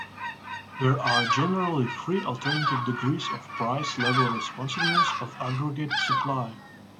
There are generally three alternative degrees of price-level responsiveness of aggregate supply.